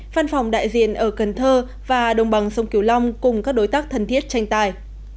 văn phòng đại diện ở cần thơ và đồng bằng sông kiều long cùng các đối tác thân thiết tranh tài